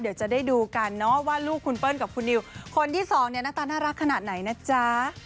เดี๋ยวจะได้ดูกันว่าลูกคุณเปิ้ลกับคุณนิวคนที่สองน่ารักขนาดไหนนะจ๊ะ